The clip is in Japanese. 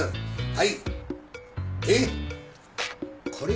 はい。